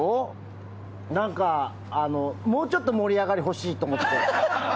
何かもうちょっと盛り上がりが欲しいと思って。